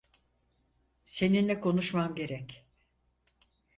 Seninle konuşmam gerek.